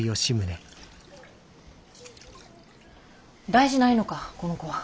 大事ないのかこの子は？